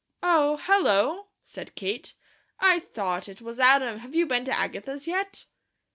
"Oh! Hello!" said Kate. "I thought it was Adam. Have you been to Agatha's yet?"